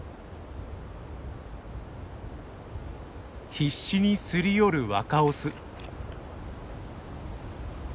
必死にすり寄る若オス。